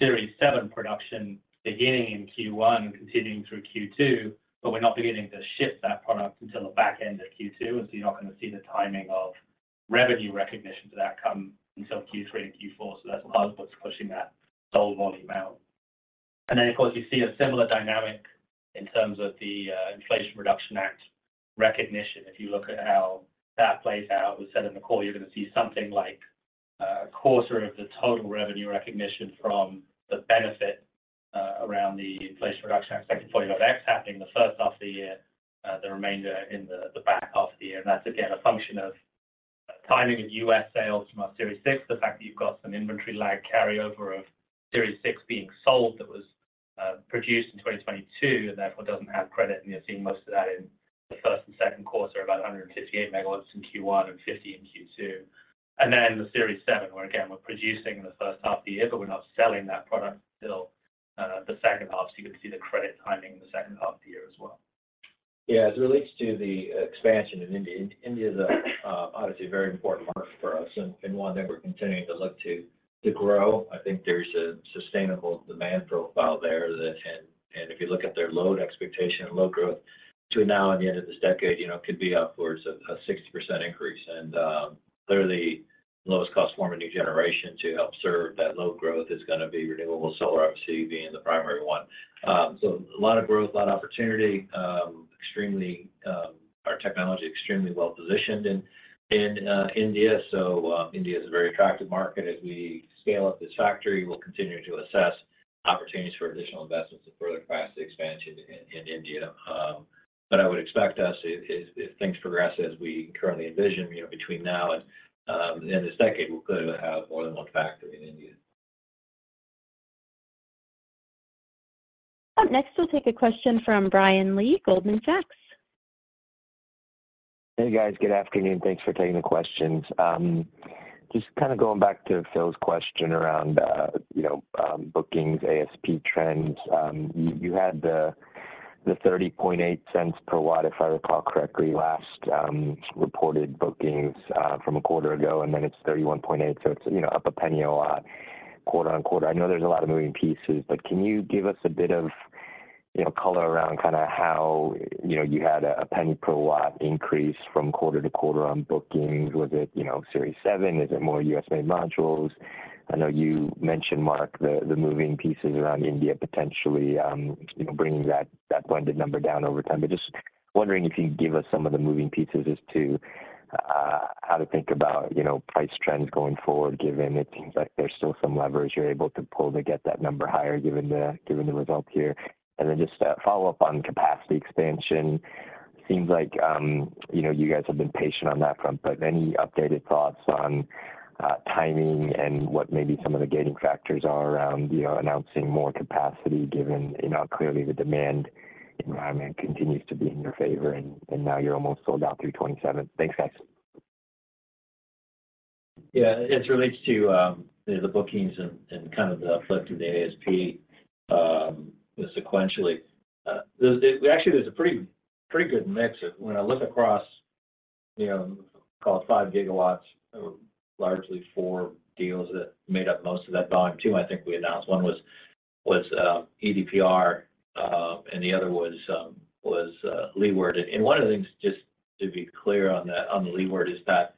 Series 7 production beginning in Q1 and continuing through Q2. We're not beginning to ship that product until the back end of Q2. You're not going to see the timing of revenue recognition for that come until Q3 and Q4. That's part of what's pushing that sold volume out. Of course, you see a similar dynamic in terms of the Inflation Reduction Act recognition. If you look at how that plays out, we said in the call you're going to see something like a quarter of the total revenue recognition from the benefit around the Inflation Reduction Act, Section 45X happening in the first half of the year, the remainder in the back half of the year. That's, again, a function of timing of U.S. sales from our Series 6. The fact that you've got some inventory lag carryover of Series 6 being sold that was produced in 2022 and therefore doesn't have credit, and you're seeing most of that in the first and second quarter, about 158 MW in Q1 and 50 in Q2. The Series 7, where again, we're producing in the first half of the year, but we're not selling that product until the second half. You're going to see the credit timing in the second half of the year as well. Yeah. As it relates to the expansion in India is obviously a very important market for us and one that we're continuing to look to grow. I think there's a sustainable demand profile there that. If you look at their load expectation and load growth between now and the end of this decade, you know, could be upwards of a 60% increase. Clearly lowest cost form of new generation to help serve that load growth is going to be renewable. solar, obviously, being the primary one. A lot of growth, a lot of opportunity. Our technology extremely well-positioned in India. India is a very attractive market. As we scale up this factory, we'll continue to assess opportunities for additional investments and further capacity expansion in India. I would expect us if things progress as we currently envision, you know, between now and the end of this decade, we could have more than one factory in India. Up next, we'll take a question from Brian Lee, Goldman Sachs. Hey, guys. Good afternoon. Thanks for taking the questions. Just kind of going back to Phil's question around, you know, bookings, ASP trends. You had the $0.308 per watt, if I recall correctly, last reported bookings from a quarter ago, and then it's $0.318, so it's, you know, up a penny a watt quarter-on-quarter. I know there's a lot of moving pieces, but can you give us a bit of, you know, color around kind of how, you know, you had a $0.01 per watt increase from quarter-to-quarter on bookings? Was it, you know, Series 7? Is it more U.S.-made modules? I know you mentioned, Mark, the moving pieces around India potentially, you know, bringing that blended number down over time. Just wondering if you could give us some of the moving pieces as to how to think about, you know, price trends going forward, given it seems like there's still some leverage you're able to pull to get that number higher given the results here. Then just a follow-up on capacity expansion. Seems like, you know, you guys have been patient on that front, but any updated thoughts on timing and what maybe some of the gating factors are around, you know, announcing more capacity given, you know, clearly the demand environment continues to be in your favor and now you're almost sold out through 2027. Thanks, guys. As it relates to the bookings and kind of the flip to the ASP, sequentially, actually, there's a pretty good mix. When I look across, you know, call it 5 GW , largely four deals that made up most of that volume. Two, I think we announced. One was EDPR, and the other was Leeward. One of the things, just to be clear on the Leeward, is that...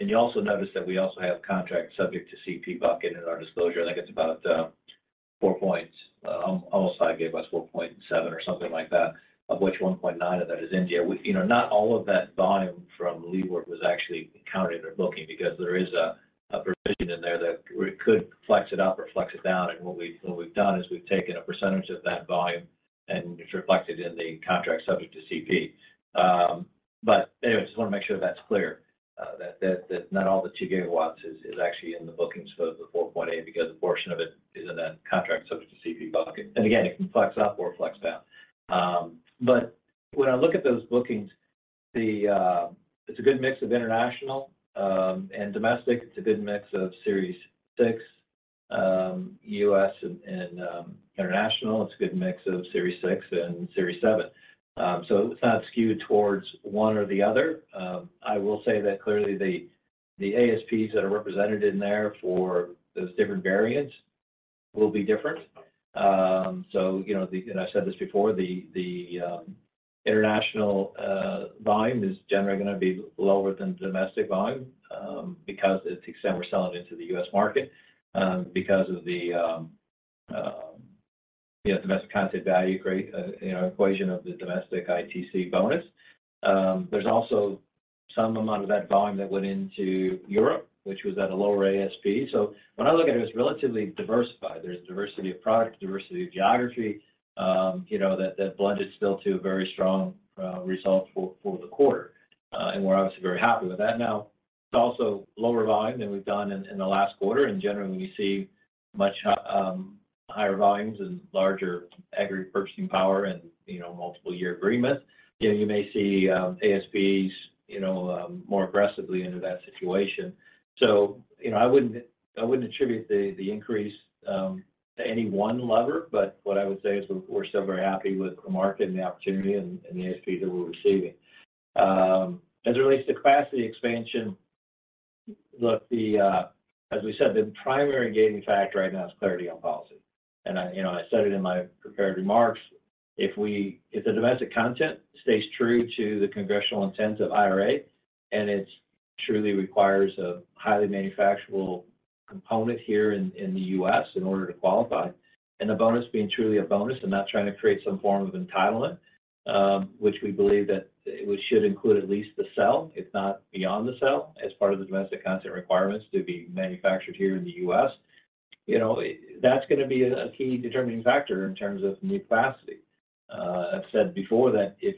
You also notice that we also have contracts subject to CP bucket in our disclosure. I think it's about almost 5 GW, 4.7 GW or something like that, of which 1.9 GW of that is India. We you know, not all of that volume from Leeward was actually counted in our booking because there is a provision in there that we could flex it up or flex it down. What we, what we've done is we've taken a percentage of that volume, and it's reflected in the contract subject to CP. Anyway, just want to make sure that's clear that not all the 2 GW is actually in the bookings for the 4.8 GW because a portion of it is in that contract subject to CP bucket. Again, it can flex up or flex down. When I look at those bookings, it's a good mix of international and domestic. It's a good mix of Series 6, U.S. and international. It's a good mix of Series 6 and Series 7. It's not skewed towards one or the other. I will say that clearly the ASPs that are represented in there for those different variants will be different. I said this before, the international volume is generally gonna be lower than domestic volume because to the extent we're selling into the U.S. market, because of the domestic content value grade equation of the domestic ITC bonus. There's also some amount of that volume that went into Europe, which was at a lower ASP. When I look at it's relatively diversified. There's diversity of product, diversity of geography, that blended still to a very strong result for the quarter. We're obviously very happy with that. It's also lower volume than we've done in the last quarter. Generally, when you see much higher volumes and larger aggregate purchasing power and, you know, multiple year agreements, you know, you may see ASPs, you know, more aggressively into that situation. You know, I wouldn't, I wouldn't attribute the increase to any one lever, but what I would say is we're still very happy with the market and the opportunity and the ASPs that we're receiving. As it relates to capacity expansion, look, the primary gating factor right now is clarity on policy. I, you know, I said it in my prepared remarks, if the domestic content stays true to the congressional intents of IRA, and it truly requires a highly manufacturable component here in the U.S. in order to qualify, and the bonus being truly a bonus and not trying to create some form of entitlement, which we believe that it should include at least the cell, if not beyond the cell, as part of the domestic content requirements to be manufactured here in the U.S.. You know, that's gonna be a key determining factor in terms of new capacity. I've said before that if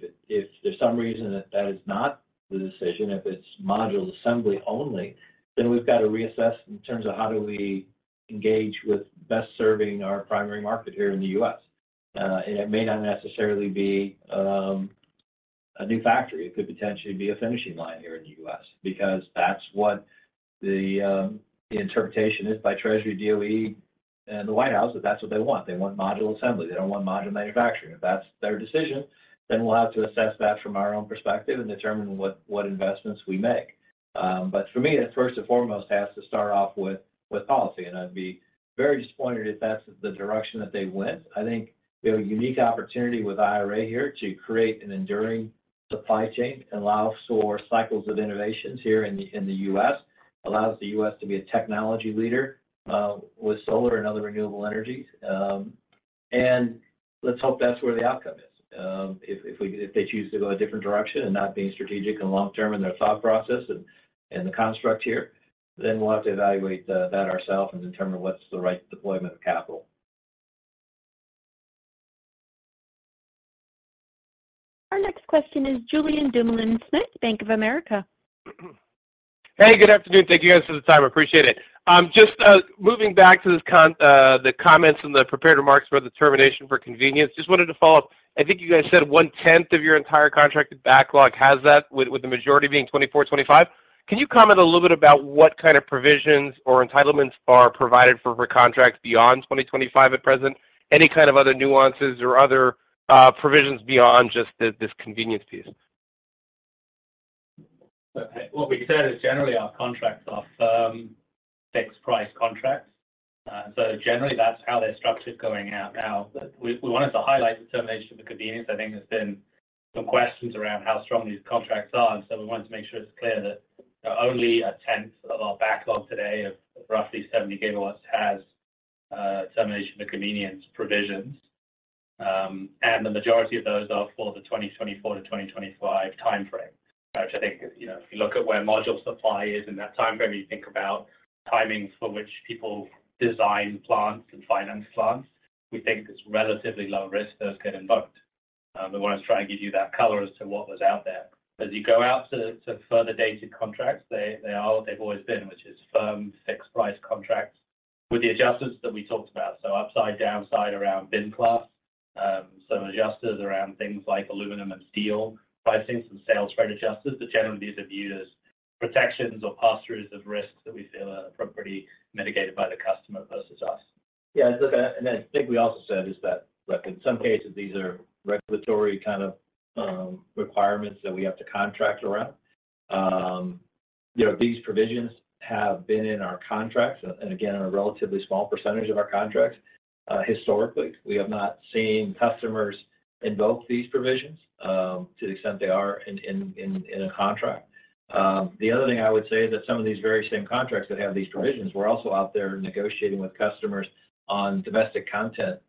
there's some reason that that is not the decision, if it's module assembly only, then we've got to reassess in terms of how do we engage with best serving our primary market here in the U.S.. It may not necessarily be a new factory. It could potentially be a finishing line here in the U.S. because that's what the interpretation is by Treasury, DOE and the White House, that that's what they want. They want module assembly. They don't want module manufacturing. If that's their decision, then we'll have to assess that from our own perspective and determine what investments we make. For me, that first and foremost has to start off with policy, and I'd be very disappointed if that's the direction that they went. I think we have a unique opportunity with IRA here to create an enduring supply chain and allow for cycles of innovations here in the U.S., allows the U.S. to be a technology leader with solar and other renewable energies. Let's hope that's where the outcome is. If they choose to go a different direction and not being strategic and long-term in their thought process and the construct here, then we'll have to evaluate that ourselves and determine what's the right deployment of capital. Our next question is Julien Dumoulin-Smith, Bank of America. Hey, good afternoon. Thank you guys for the time. Appreciate it. Just moving back to this the comments and the prepared remarks about the termination for convenience. Just wanted to follow up. I think you guys said 1/10 of your entire contracted backlog has that, with the majority being 2024, 2025. Can you comment a little bit about what kind of provisions or entitlements are provided for contracts beyond 2025 at present? Any kind of other nuances or other provisions beyond just this convenience piece? Okay. What we said is generally our contracts are firm fixed price contracts. Generally that's how they're structured going out now. We wanted to highlight the termination for convenience. I think there's been some questions around how strong these contracts are, we wanted to make sure it's clear that only 1/10 of our backlog today of roughly 70 GW has termination for convenience provisions. The majority of those are for the 2024-2025 timeframe, which I think is, you know, if you look at where module supply is in that timeframe, you think about timings for which people design plants and finance plants, we think it's relatively low risk those get invoked. We wanted to try and give you that color as to what was out there. As you go out to further dated contracts, they are what they've always been, which is firm fixed price contracts with the adjustments that we talked about. Upside, downside around CadTel, some adjusters around things like aluminum and steel pricing, some sales spread adjusters. Generally these are viewed as protections or pass-throughs of risks that we feel are appropriately mitigated by the customer versus us. Yeah. Look, and I think we also said is that, look, in some cases, these are regulatory kind of requirements that we have to contract around. You know, these provisions have been in our contracts and, again, in a relatively small percentage of our contracts. Historically, we have not seen customers invoke these provisions to the extent they are in a contract. The other thing I would say is that some of these very same contracts that have these provisions were also out there negotiating with customers on domestic content,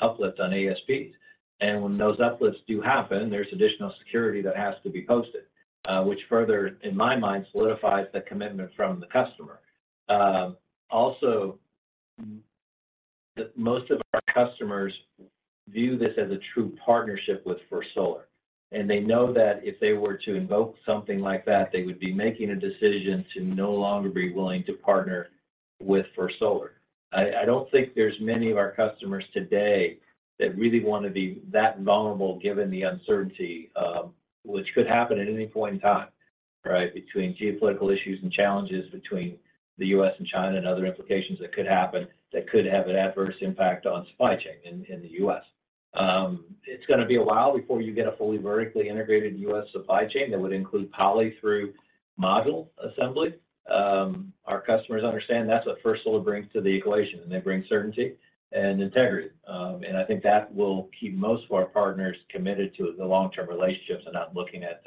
uplifts on ASPs. When those uplifts do happen, there's additional security that has to be posted, which further, in my mind, solidifies the commitment from the customer. Also, most of our customers view this as a true partnership with First Solar, and they know that if they were to invoke something like that, they would be making a decision to no longer be willing to partner with First Solar. I don't think there's many of our customers today that really want to be that vulnerable given the uncertainty, which could happen at any point in time, right? Between geopolitical issues and challenges between the U.S. and China and other implications that could happen that could have an adverse impact on supply chain in the U.S. It's gonna be a while before you get a fully vertically integrated U.S. supply chain that would include poly through module assembly. Our customers understand that's what First Solar brings to the equation, and they bring certainty and integrity. I think that will keep most of our partners committed to the long-term relationships and not looking at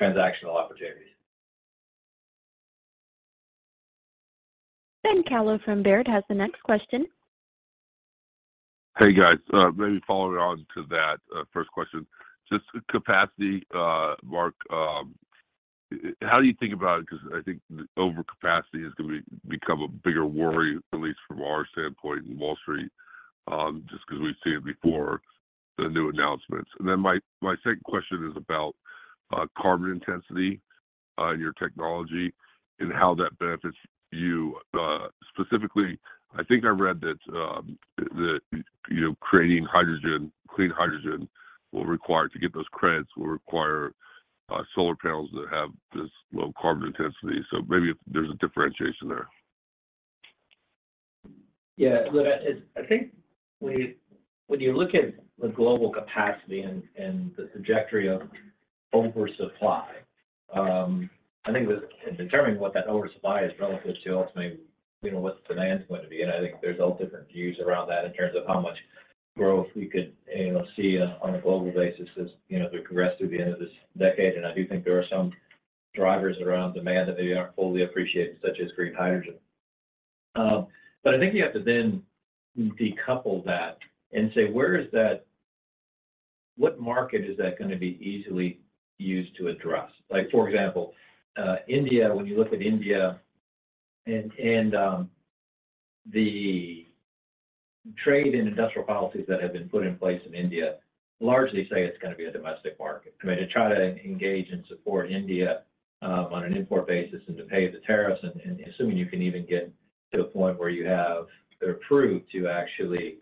transactional opportunities. Ben Kallo from Baird has the next question. Hey, guys. Maybe following on to that, first question. Just capacity, Mark. How do you think about it? 'Cause I think overcapacity is gonna become a bigger worry, at least from our standpoint in Wall Street, just 'cause we've seen it before the new announcements. My second question is about carbon intensity in your technology and how that benefits you. Specifically, I think I read that, you know, creating hydrogen, clean hydrogen To get those credits will require solar panels that have this low carbon intensity. Maybe if there's a differentiation there. Yeah. Look, I think when you look at the global capacity and the trajectory of oversupply, I think with determining what that oversupply is relative to ultimately, you know, what's demand's going to be. I think there's all different views around that in terms of how much growth we could, you know, see on a global basis as, you know, we progress through the end of this decade. I do think there are some drivers around demand that maybe aren't fully appreciated, such as green hydrogen. I think you have to then decouple that and say, "Where is that... What market is that gonna be easily used to address? Like for example, India, when you look at India and the trade and industrial policies that have been put in place in India largely say it's gonna be a domestic market. I mean, to try to engage and support India on an import basis and to pay the tariffs and assuming you can even get to a point where you have They're approved to actually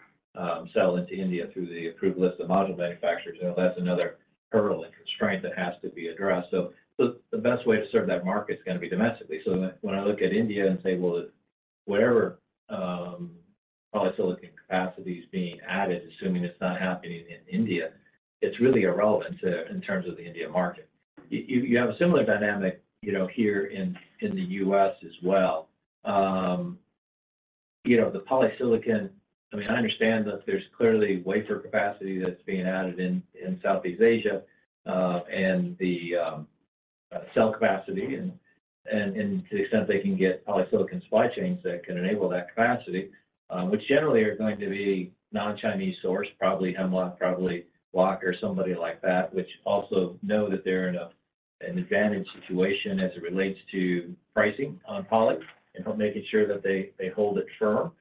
sell into India through the approved list of module manufacturers. You know, that's another hurdle and constraint that has to be addressed. The best way to serve that market's gonna be domestically. When I look at India and say, "Well, whatever polysilicon capacity is being added, assuming it's not happening in India, it's really irrelevant to, in terms of the India market." You have a similar dynamic, you know, here in the U.S. as well. You know, the polysilicon I mean, I understand that there's clearly wafer capacity that's being added in Southeast Asia, and the cell capacity and to the extent they can get polysilicon supply chains that can enable that capacity, which generally are going to be non-Chinese sourced, probably Hemlock, probably Wacker, somebody like that, which also know that they're in an advantage situation as it relates to pricing on poly and help making sure that they hold it firm.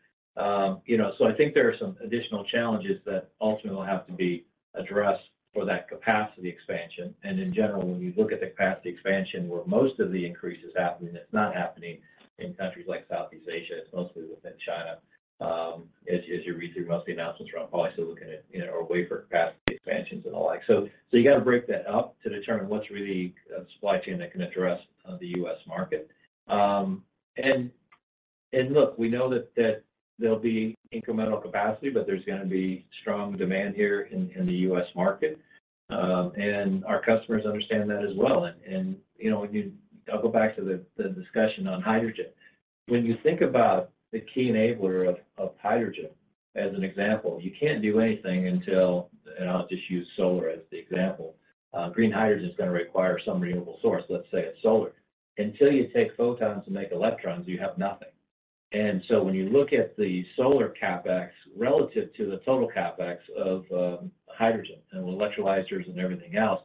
You know, I think there are some additional challenges that ultimately will have to be addressed for that capacity expansion. In general, when you look at the capacity expansion, where most of the increase is happening, it's not happening in countries like Southeast Asia. It's mostly within China, as you read through most of the announcements around polysilicon and, you know, or wafer capacity expansions and the like. You got to break that up to determine what's really a supply chain that can address the U.S. market. Look, we know that there'll be incremental capacity, but there's gonna be strong demand here in the U.S. market. Our customers understand that as well. You know, when you I'll go back to the discussion on hydrogen. When you think about the key enabler of hydrogen as an example, you can't do anything until. I'll just use solar as the example. green hydrogen's gonna require some renewable source. Let's say it's solar. Until you take photons and make electrons, you have nothing. When you look at the solar CapEx relative to the total CapEx of hydrogen and electrolyzers and everything else,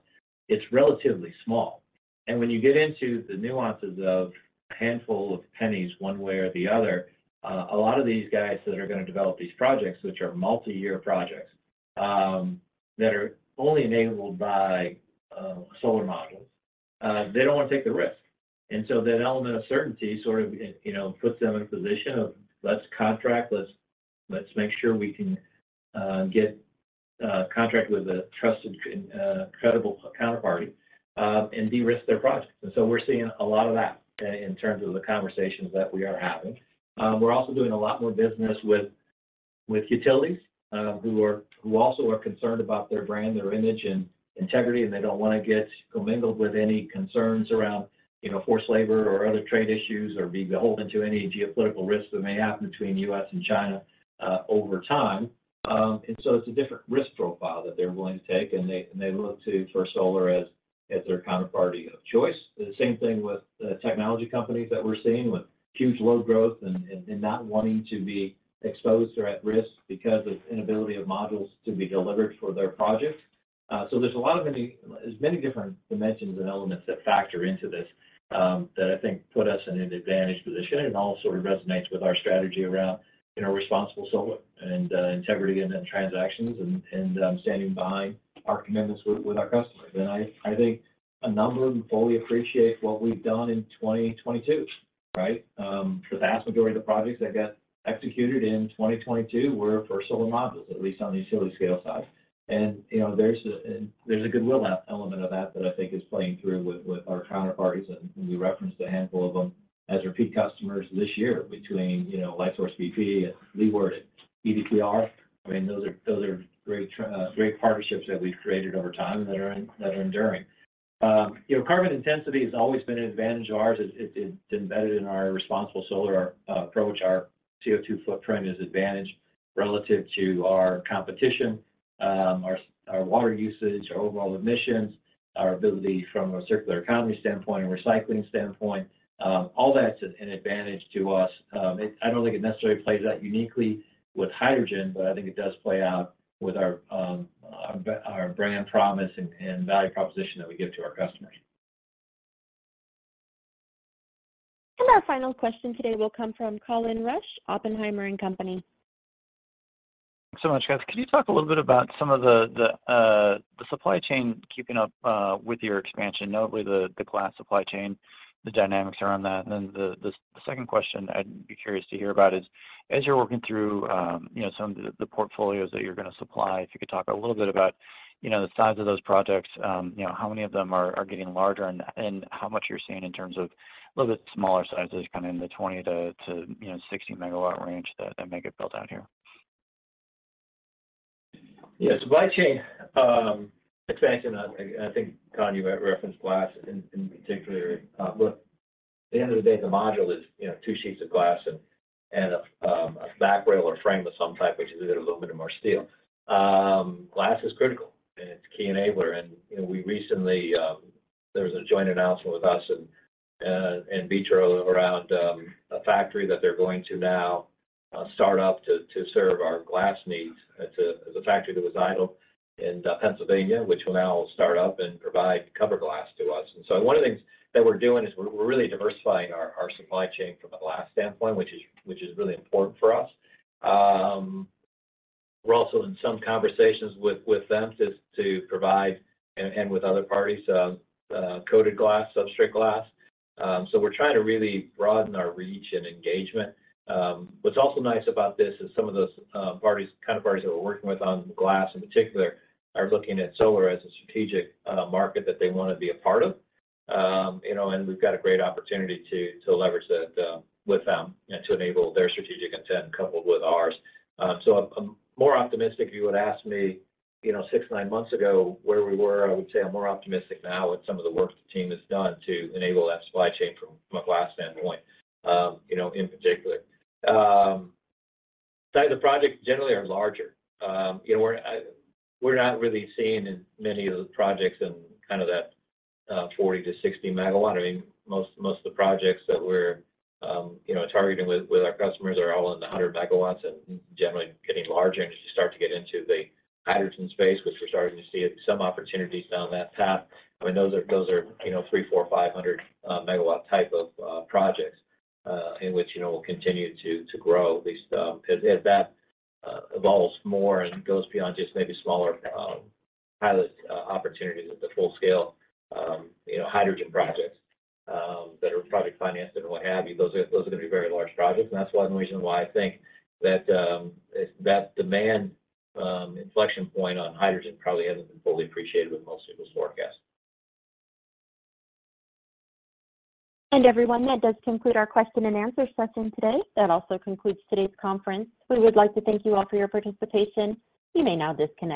it's relatively small. When you get into the nuances of a handful of pennies one way or the other, a lot of these guys that are gonna develop these projects, which are multi-year projects, that are only enabled by solar modules, they don't want to take the risk. That element of certainty sort of, you know, puts them in a position of let's contract, let's make sure we can get a contract with a trusted and credible counterparty and de-risk their projects. We're seeing a lot of that in terms of the conversations that we are having. We're also doing a lot more business with utilities who also are concerned about their brand, their image and integrity, and they don't want to get commingled with any concerns around, you know, forced labor or other trade issues or be beholden to any geopolitical risks that may happen between U.S. and China over time. It's a different risk profile that they're willing to take, and they look to First Solar as their counterparty of choice. The same thing with the technology companies that we're seeing with huge load growth and not wanting to be exposed or at risk because of inability of modules to be delivered for their projects. There's many different dimensions and elements that factor into this, that I think put us in an advantage position and also resonates with our strategy around, you know, responsible solar and integrity and then transactions and standing behind our commitments with our customers. I think a number of them fully appreciate what we've done in 2022. Right? For the vast majority of the projects that got executed in 2022 were for solar modules, at least on the utility scale side. You know, there's a goodwill element of that that I think is playing through with our counterparties. We referenced a handful of them as repeat customers this year between, you Lightsource bp and Leeward, EDPR. I mean, those are great partnerships that we've created over time that are enduring. You know, carbon intensity has always been an advantage of ours. It's embedded in our responsible solar approach. Our CO2 footprint is advantage relative to our competition, our water usage, our overall emissions, our ability from a circular economy standpoint and recycling standpoint, all that's an advantage to us. I don't think it necessarily plays out uniquely with hydrogen. I think it does play out with our brand promise and value proposition that we give to our customers. Our final question today will come from Colin Rusch, Oppenheimer & Company. Much, guys. Can you talk a little bit about some of the supply chain keeping up with your expansion, notably the glass supply chain, the dynamics around that? The second question I'd be curious to hear about is, as you're working through, you know, some of the portfolios that you're going to supply, if you could talk a little bit about, you know, the size of those projects, you know, how many of them are getting larger and how much you're seeing in terms of a little bit smaller sizes, kind of in the 20 MW-60 MW range that may get built out here. Yeah. Supply chain expansion, I think, Colin, you re-referenced glass in particular. At the end of the day, the module is, you know, two sheets of glass and a back rail or frame of some type, which is a little bit of more steel. Glass is critical, it's a key enabler. You know, we recently There was a joint announcement with us and Vitro around a factory that they're going to now start up to serve our glass needs. It's a factory that was idle in Pennsylvania, which will now start up and provide cover glass to us. One of the things that we're doing is we're really diversifying our supply chain from a glass standpoint, which is really important for us. We're also in some conversations with them to provide and with other parties coated glass, substrate glass. We're trying to really broaden our reach and engagement. What's also nice about this is some of those parties, kind of parties that we're working with on glass in particular are looking at solar as a strategic market that they want to be a part of. You know, we've got a great opportunity to leverage that with them and to enable their strategic intent coupled with ours. I'm more optimistic. You would ask me, you know, six, nine months ago where we were, I would say I'm more optimistic now with some of the work the team has done to enable that supply chain from a glass standpoint, you know, in particular. The projects generally are larger. You know, we're not really seeing as many of the projects in kind of that 40 MW-60 MW. I mean, most of the projects that we're, you know, targeting with our customers are all in the 100 MW and generally getting larger. As you start to get into the hydrogen space, which we're starting to see some opportunities down that path, I mean, those are, those are, you know, 300 MW-500 MW type of projects in which, you know, we'll continue to grow these as that evolves more and goes beyond just maybe smaller pilot opportunities at the full scale, you know, hydrogen projects that are project financed and what have you. Those are going to be very large projects, and that's one reason why I think that demand, inflection point on hydrogen probably hasn't been fully appreciated with most people's forecasts. Everyone, that does conclude our question and answer session today. That also concludes today's conference. We would like to thank you all for your participation. You may now disconnect.